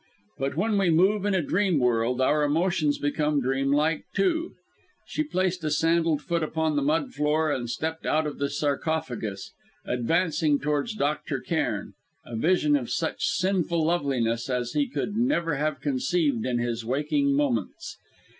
But when we move in a dream world, our emotions become dreamlike too. She placed a sandalled foot upon the mud floor and stepped out of the sarcophagus, advancing towards Dr. Cairn, a vision of such sinful loveliness as he could never have conceived in his waking moments.